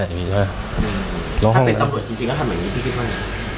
ถ้าเป็นตำรวจจริงทำแบบนี้พี่คิดว่าไง